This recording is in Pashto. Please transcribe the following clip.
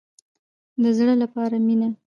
د زړه لپاره مینه.